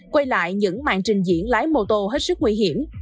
quay lại những mạng trình diễn lái mô tô hết sức nguy hiểm